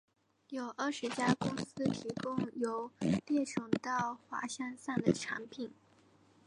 有二十家公司提供由猎熊到滑翔伞的产品。